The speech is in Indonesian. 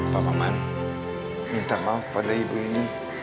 pak maman minta maaf pada ibu ini